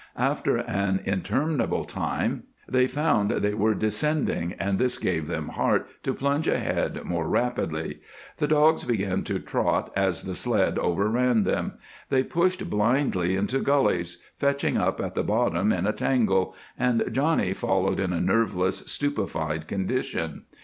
After an interminable time they found they were descending and this gave them heart to plunge ahead more rapidly. The dogs began to trot as the sled overran them; they rushed blindly into gullies, fetching up at the bottom in a tangle, and Johnny followed in a nerveless, stupefied condition.